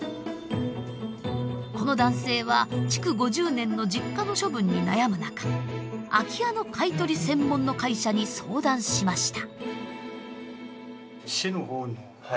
この男性は築５０年の実家の処分に悩む中空き家の買い取り専門の会社に相談しました。